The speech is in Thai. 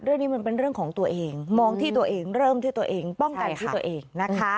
เรื่องนี้มันเป็นเรื่องของตัวเองมองที่ตัวเองเริ่มที่ตัวเองป้องกันที่ตัวเองนะคะ